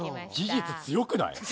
事実強くない？